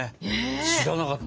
知らなかった。